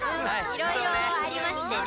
いろいろありましてね。